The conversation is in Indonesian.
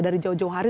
dari jauh jauh hari